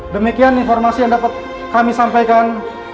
demikian informasi yang dapat kami sampaikan